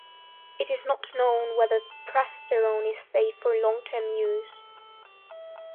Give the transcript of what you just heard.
It is not known whether prasterone is safe for long-term use.